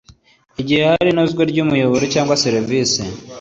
Igihe hari inozwa ry umuyoboro cyangwa serivisi